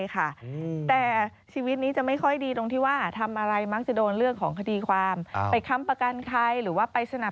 ค่อนข้างจะเดือดร้อนเรื่องพวกนี้ค่ะ